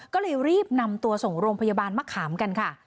ก็เลยรีบนำตัวส่งโรงพยาบาลมะขามกันค่ะ